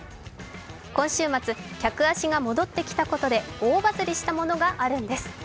今週末、客足が戻ったこともあって大バズリしたことがあるんです。